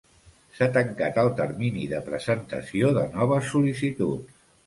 S'ha tancat el termini de presentació de noves sol·licituds.